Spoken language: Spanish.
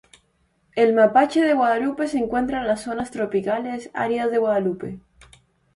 El mapache de Guadalupe se encuentra en las zonas tropicales áridas de Guadalupe.